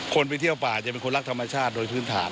ไปเที่ยวป่าจะเป็นคนรักธรรมชาติโดยพื้นฐาน